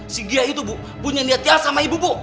si gia itu bu punya niatnya sama ibu bu